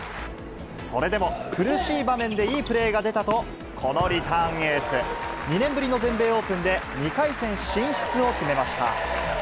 それでも苦しい場面でいいプレーが出たと、このリターンエース。２年ぶりの全米オープンで、２回戦進出を決めました。